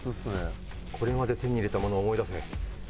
これまで手に入れたものを思い出せ。